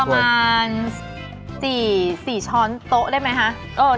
ประมาณ๔ช้อนโต๊ะได้ไหมคะ